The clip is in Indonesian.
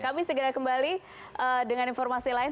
kami segera kembali dengan informasi lain